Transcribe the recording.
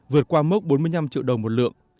vượt qua mốc bốn mươi năm triệu đồng một lượng